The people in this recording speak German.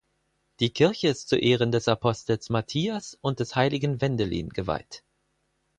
Die Kirche ist zu Ehren des Apostels Matthias und des heiligen Wendelin geweiht.